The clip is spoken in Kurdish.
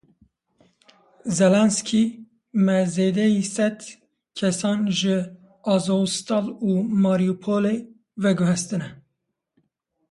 Zelensky, me zêdeyî sed kesan ji Azovstal a Mariupolê veguhestine.